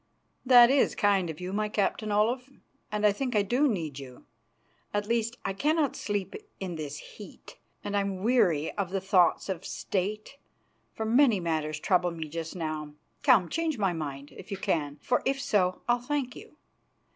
"That is kind of you, my Captain Olaf, and I think I do need you. At least, I cannot sleep in this heat, and I am weary of the thoughts of State, for many matters trouble me just now. Come, change my mind, if you can, for if so I'll thank you.